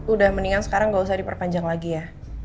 udah mendingan sekarang nggak usah diperpanjang lagi ya